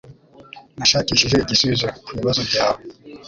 Nashakishije igisubizo kubibazo byawe.